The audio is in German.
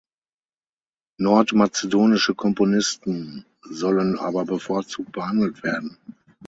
Nordmazedonische Komponisten sollen aber bevorzugt behandelt werden.